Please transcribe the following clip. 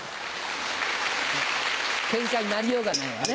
ケンカになりようがないわね。